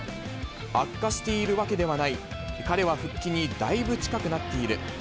悪化しているわけではない、彼は復帰にだいぶ近くなっている。